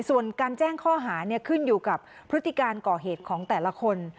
ส่วนการแจ้งข้อหาขึ้นอยู่กับพฤติการก่อเหตุของแต่ละคน